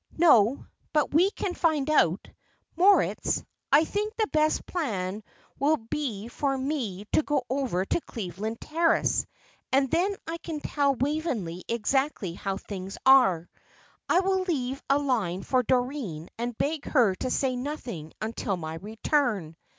"No; but we can find out. Moritz, I think the best plan will be for me to go over to Cleveland Terrace, and then I can tell Waveney exactly how things are; I will leave a line for Doreen and beg her to say nothing until my return."